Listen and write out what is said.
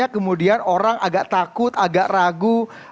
kemudian orang agak takut agak ragu